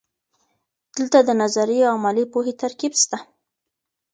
دلته د نظري او عملي پوهې ترکیب سته.